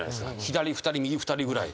左２人右２人ぐらい。